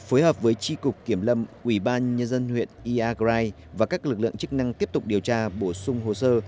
phối hợp với tri cục kiểm lâm ủy ban nhân dân huyện iagrai và các lực lượng chức năng tiếp tục điều tra bổ sung hồ sơ